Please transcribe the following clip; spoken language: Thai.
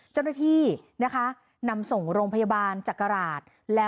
เจ้าหน้าที่นะคะนำส่งโรงพยาบาลจักราช